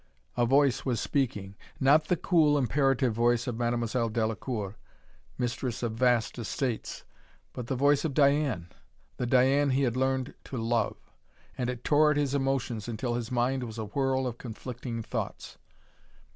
A voice was speaking. Not the cool, imperative voice of Mademoiselle Delacoeur, mistress of vast estates, but the voice of Diane the Diane he had learned to love and it tore at his emotions until his mind was a whirl of conflicting thoughts.